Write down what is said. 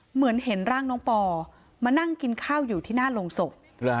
เหมือนเห็นร่างน้องปอมานั่งกินข้าวอยู่ที่หน้าโรงศพ